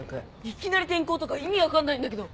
いきなり転校とか意味分かんないんだけど。